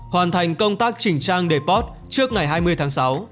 hoàn thành công tác chỉnh trang đề post trước ngày hai mươi tháng sáu